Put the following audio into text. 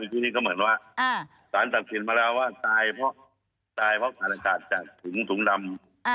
ที่นี่ก็เหมือนว่าศาลตัดสินมาแล้วว่าตายเพราะศาลศาสตร์จากถุงดำ